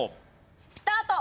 スタート！